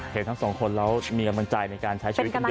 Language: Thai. เห็นทั้งสองคนแล้วมีกำลังใจในการใช้ชีวิตกันดี